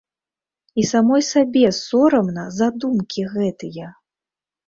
І самой сабе сорамна за думкі гэтыя!